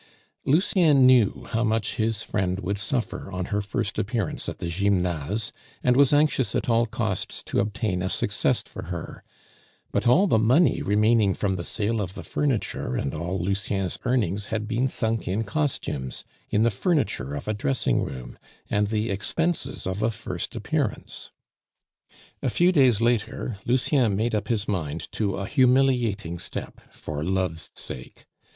Lucien knew how much his friend would suffer on her first appearance at the Gymnase, and was anxious at all costs to obtain a success for her; but all the money remaining from the sale of the furniture and all Lucien's earnings had been sunk in costumes, in the furniture of a dressing room, and the expenses of a first appearance. A few days later, Lucien made up his mind to a humiliating step for love's sake.